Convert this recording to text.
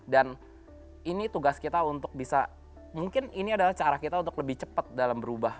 dan ini tugas kita untuk bisa mungkin ini adalah cara kita untuk lebih cepat dalam berubah